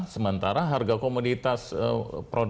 sementara harga komoditas produk